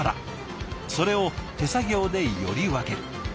それを手作業でより分ける。